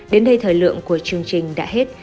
đến đây thời lượng của chương trình đã hết